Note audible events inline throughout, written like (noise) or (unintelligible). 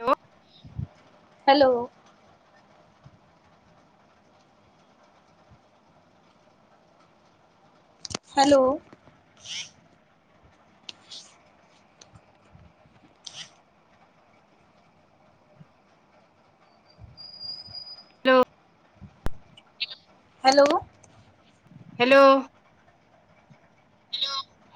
Hello hello hello (inaudible) hello hello hello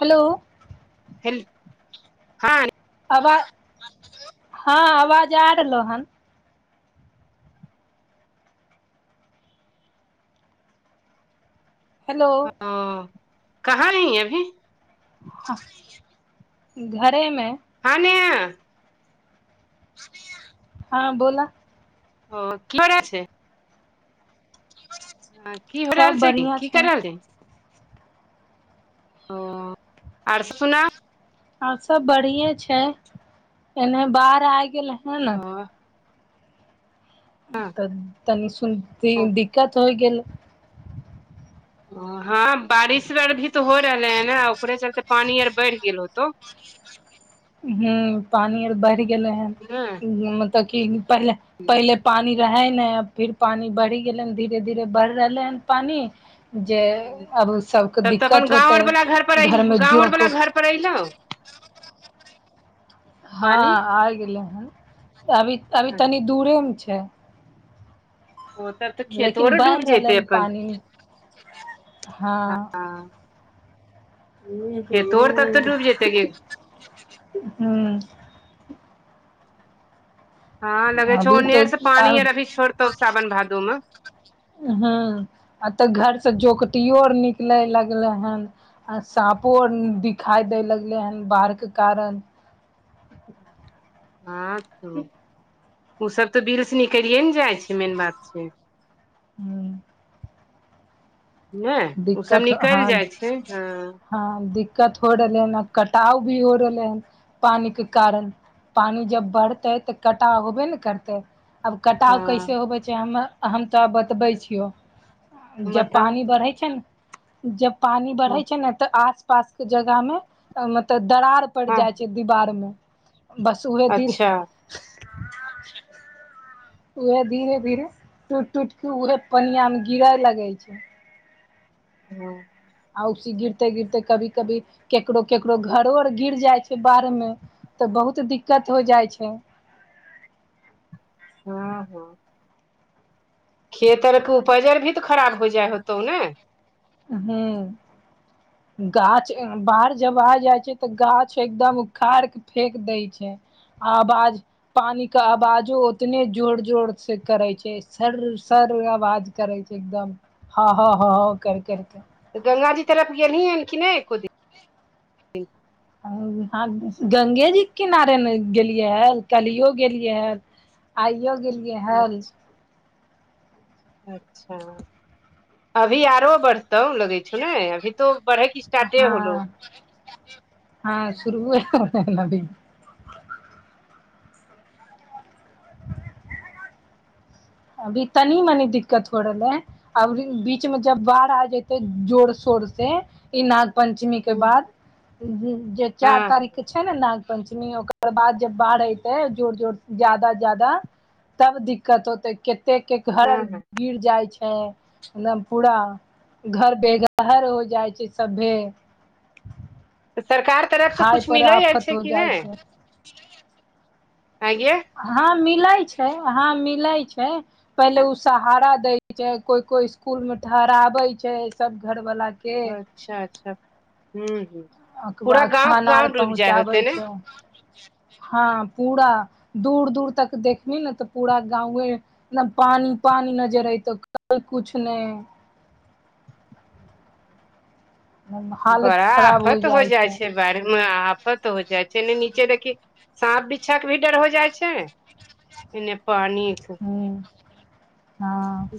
hello hello हँ आवाज हँ आवाज आ रहलौ हन हेलो ओ कहाँ ही अभी हाँ घरेमे हाने हँ बोला ओ कि करय छै ह की हो रहल सब छै बढ़िआँ की कर रहल छै ओ आर स सुना आर सब बढ़िये छै एने बाढ़ आ गेल हे ने तऽ तनी सुन दिक्कत होइ गेले हँ बारिश आर भी तऽ हो रहले है ने ओकरे चलते पानी आर बढ़ि गेल होतौ हूं पानि ओर बढ़ि गेलै हन हँ मतलब कि पहिले पहिले पानि रहै नहि फेर पानि बढ़ि गेलैन धीरे धीरे बढ़ि रहलै हन पानि जे अब ऊ सभके तब तऽ अपन दिक्कत गाँव होते आर वाला घर पर अइल घरमे गाँव आर जोक वाला घर उक पर अयलौ हँ पानी आ गेलै हन अभी अभी अच्छा, तनी दूरे मे छै ओ तब तऽ खेतो लेकिन आर बढ़ि डूबि रहल जैते ह अपन पानि हँ खेतो आर तब तऽ डूबि जेतै हू हँ लगे छौ अभी तो ओन्नेर से पानी आर अखन छोड़तौ सावन भादो मे ह आ तऽ घरसँ जोकटियो आर निकले लगलै हन आ साँपो आर दिखाई देय लगले हन बाढ़ के कारण हँ त ओसभ तऽ बिल से त निकलिये ने जाइ छै मेन बात छै हू ने ओ सब दिक्कत निकलि हँ जाइ छै हँ दिक्कत हो रहलै हन आ कटाव भी हो रहलै हन पानि के कारण पानि जब बढ़तै तऽ काँटा होबे ने करतै आब कटाव हँ कैसे होबै छै हम हम तऽ बतबै छियह जब बताउ पानी बरहई छै ने जब पानी हँ बरहई छै ने तऽ आस पास के जगह मे मतल दरार पड़ हँ जाइ छै दीवार मे बस उह दिन अच्छा उएहे धीरे धीरे टूट टूट के उहे पनिया मे गिरे लगे छै हँ आ उसी गिरते गिरते कभी कभी केकरो केकरो घरो आर गिर जाई छै बाढ़मे तऽ बहुत दिक्कत हो जाइ छै हँ हँ खेत आर कु उपजर भी तऽ खराब हो जाय होतौ ने हू गाछ अ बाढ़ जब आ जाई छै तऽ गाछ एकदम उखार फेक दै छै आ आवाज पानी के आवाजो उतने जोर जोर से करे छै सर्र सर्र आवाज करै छै एकदम ह ह ह ह कर करिक तऽ गंगाजी तरफ गेलहीन की नहि एक्को दिन ह गंगेजीके किनारेमे गेलियै हे कलियो गेलियै ह आइयो गेली अच्छा-अच्छा अभी आरो बर तब लगै छौ ने अभी तो बढ़ैके स्टार्टे होलो हँ त ल भी (inaudible) अभी तनी मनी दिक्कत हो रहलै आ बीच में जब बाढ़ आ जेते जोर शोर से ई नाग पंचमी के हँ बाद जे चार हँ हँ तारीख के छै ने नाग पंचमी ओकर बाद जब बाढ़ एतै जोर जोर ज्यादा ज्यादा तब दिक्कत होतै कतेक के हर हँ (unintelligible) गिर जाई छै एकदम पूरा घर बेघर हो जाइ छै सभे सरकार तरफसँ खाय किछु पर मिलै आल छै आफत हो कि जाइ नहि छै हा गै हँ मिलै छै हँ मिलै छै पहिले ओ सहारा दै छै कोइ कोइ इसकुल मे ठहराबैत छै सभ घरवला के अच्छा अच्छा हम्म हम्म ओकरबाद खाना अर पहुँचाबै ने छै हँ पूरा दूर दूर तक देखबी ने तऽ पूरा गाउयै पानि पानि नजर अयतौ (unintelligible) कुछ नहि बड़ा आफत हो जाइ छै बाढ़ि मे आपत हो जाइ छै ने नीचे देखी साँप बिछा के भी डर हो जाइ छै ए पानि एक (inaudible) हूँ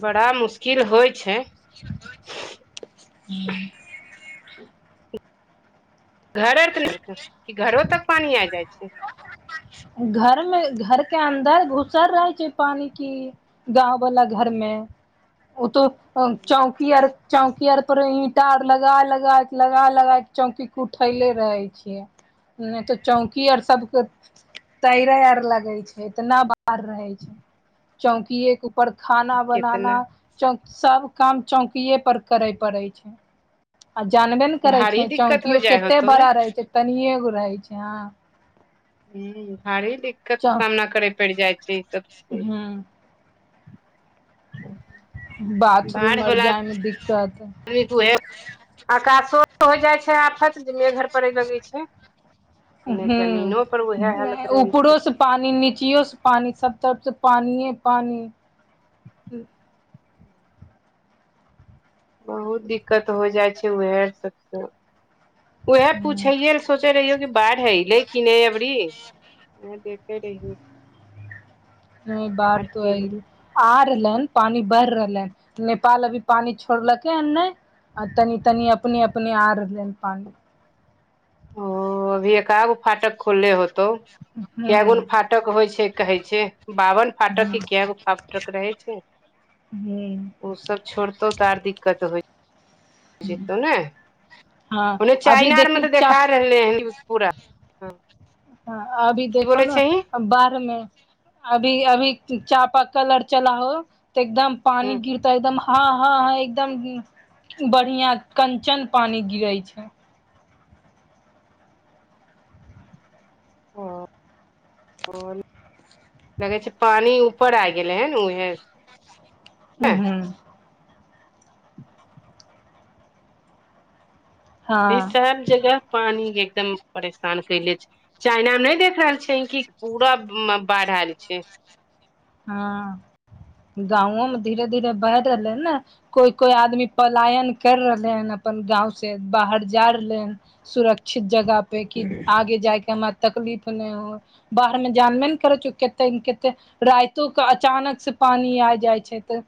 बड़ा मुश्किल होइ छै हू (unintelligible) घर आर त घरो तक पानी आ जाई छै घर मे घर के अन्दर घुसर रहै छै पानि कि गाँववला घरमे ओ तो चौकी आर चौकी आर पर ईंटा आर लगा लगा लगा लगा के चौकी के उठेले रहे छियै नहि तऽ चौंकी आओर सब तैरे आर लगे छै इतना बाहर रहे छै चौकिये क पर खाना बनाना कितना चौ सब काम चौकीय पर करे पड़ै छै आ जानबे ने करैत भारी छै दिक्कत हो चौकियो जाइ कते होतौ ने बड़ा रहैत छै तनिएगो रहैत छै ह हू भारी दिक्कतके च सामना करय पड़ि जाइ छै ई सब से ह बाढ़ बाथरूम आर वला जाय मे दिक्कत आकाशो हो जाइ छै आफत जे मेघर पड़े लगै छै एने जमीनो पर उएह हालत ह रहै छै उपरोसँ पानि नीचियोसँ पानि सब तरफसँ पानिे पानि बहुत दिक्कत हो जाइशी छै उहे चक्कर वएह पूछैयै सोचे रहहियौ कि बढ़ है लेकिन किने अबरी ओ देखे र् (unintelligible) नहिमे बात फिर आइलै आ रहलै हन पानि बढ़ रहलै हन नेपाल अभी पानि छोड़लकै हन नहि आ तनी तनी अपने अपने आरलनि पानी ओ अभी एक आगो फाटक खोलले होतौ हूँ केगो ने हूँ फाटक होइ छै कहै छै बावन फाटक हूँ क किया फाटक रहै छै ओ सब छोड़तौ त आर दिक्कत होय हूँ जेतऽ ने हँ ओने अभी चाइनामे देखी तऽ चा देखा रहलै हँ, पूरा। ह, अभी की देखो बोलै छही नऽ। बाड़हमे अभी अभी चापा कल अर चलाहो तऽ एकदम। पानी हूँ गिर। तऽ एकदम हँ, हँ, हँ, एकदम बढ़िआँ कंचन पानि गिरै छै। ओ। ओ लगै छै, पानि ऊपर आ गेलै हने उएह। हूँ, हूँ। (unintelligible) हँ सभ जगह पानी एकदम परेशान कैले छै। चाइनामे नहि देख रहल छै, कि पूरा बाढ़ आयल छै। हँ, गांओमे धीरे धीरे बहि रहलै ने। कोइ कोइ आदमी पलायन कर रहलै हन अपन गावसे बाहर जा रहलै हन सुरक्षित जगह पे आगे जायके हमरा तकलीफ नहि हो बाहरमे जानबे न करै छै। (unintelligible) के अचानकसे पानी आ जाय छै, त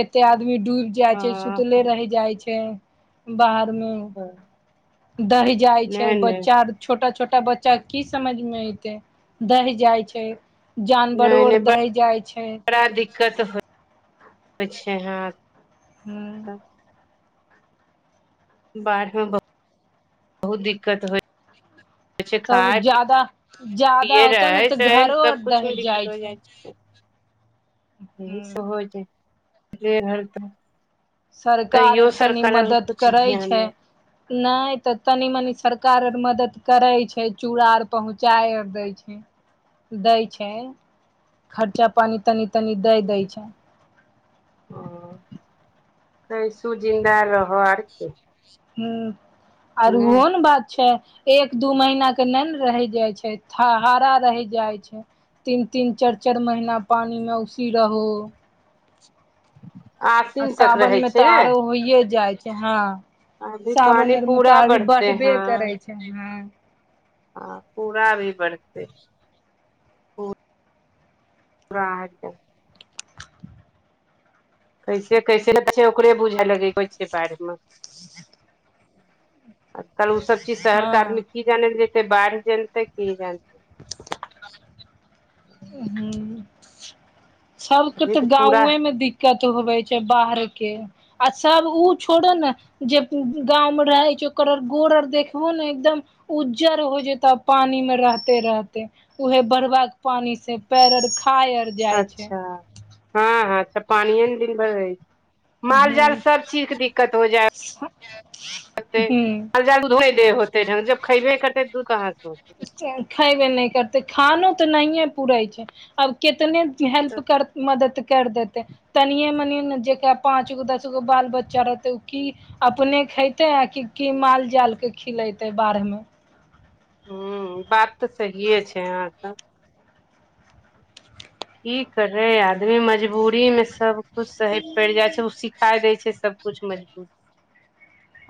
कते आदमी डूब जाइ हँ छै, सुतले रहि जाइ छै, बाहरमे अच्छा दहि जाई छै, नहि नहि बच्चा। छोटा छोटा बच्चाकि समझमे एयते दहि जाइ छै। जानवरो आर दहि जाय छै। बा दिक्कत हो होइ छै, हाँ। हु। बाढ़मे बहुत दिक्कत होइ। छै तब खाय ज्यादा। ज्यादा पिये होतौ ने रहै तऽ सहै मे घरो आर सबकुछ दह मे दिक्कत जाइ छै। हो ह छै ह सरकार आर तनि मदद कुछ करै ध्यान छै। नहि नहि तऽ तनी मनी सरकार आर मदद करे छै, चूड़ा आर पहुँचाय आर दै। दै छै, खर्चा पानी तनी तनी दऽ दै छै। ओ कैसहु जिन्दा रह आरकि। हूँ, आर ओहोने बात छै। एक दू महीनाके ने रहि जाय छै, हारा रहि जाय छै। तीन, तीन, चारि, चारि महीना पानिमे उसीह रहुँ। आ आसिन तक रहै सावनमें छै तऽ ने आरो होइे जाइ छै, हँ। अभी सावन पानी आरमे पूरा तऽ अभी बढ़ते बढ़बे हैं करै छै, हँ। पूरा भी बढ़तै। हा। कैसे कैसे लै छै, ओकरे बुझए लगे होइ छै, बारेमे काल्हि ओ सभ चीज शहरके आदमी हँ की जानतै? बाढ़ि जानतै कि जानिते? ह, सभके अभी तऽ पूरा गाए मे दिक। दिक्कत होवे छै, बाहरके आ सभ उ‌ छोड़ो ने जे गावमे रहै छै, ओकर गोर आर देखबहो ने एकदम। उज्जर हो जेतै, पानिमे रहते रहते उहे बढ़बाक। पानीसे पैर आर घयल अच्छा, हँ, हँ, पानिये ने दिनभर रहै छै। हूँ माल जाल सभ चीजके दिक्कत हो जाइ हूँ जाल उध हो ढंग जब खबे करतै दू कहाँसँ खैबे नहि करतै खानो तऽ नहिए पूरे छै, आब कतने। हेल्प कर मदद कर देतै। तनियए मनि जेकरा पाँचगो दसगो बाल बच्चा रहतै ओ कि। अपने खेते आ कि माल जालके खिलेते बाढ़मे ह बात तऽ सहिे छै यहाँ सब की करै आदमी मजबूरी मे सब सही पड़ि जाइ छै ओ सिखाय देय छै सबकुछ मे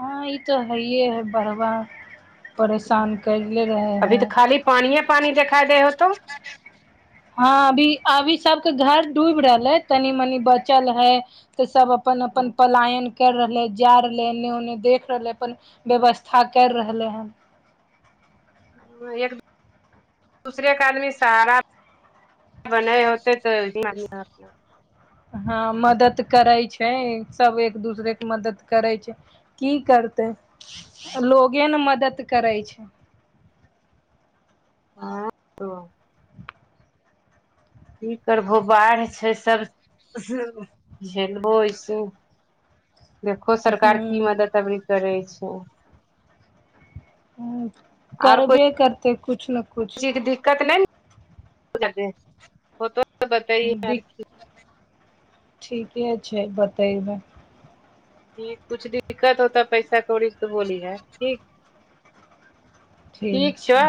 हँ ई तो हैये है बड़बा परेशान करले रहे है पानिए पानी देखाइ दे हो तौ हँ अभी अभी सबके घर डूब रहले तनी मनी बचल है तऽ सब अपन अपन पलायन कर रहले जा रहले एने ओन्ने देख रहले अपन व्यवस्था कर रहलै एक दूसरे के आदमी सहारा बनाए होतै तऽना हँ मदद करै छै छै सभ एक दूसरे के मदद करै छै की करतै लोगे ने मदद करै छै हँ (inaudible) की करबहो बाढ़ि छै सब झेलबो ऐसे (unintelligible) देखहो सरकार की हूँ मदद अभी करै छै ह आर कोइ करबे करते कछु ने कुछ चीजके दिक्कत नहि बता दिक (unintelligible) ठीके छै बतेबै कुछ दिक्कत होता पैसा कौड़ी क तऽ बोली है ठीक ठीक छै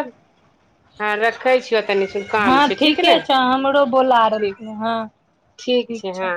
हँ रखै छियौ तनि सन हँ काम छै ठीक ठीके ने छ हमरो बोला ठीक रहलखिन हँ ठीक छै हँ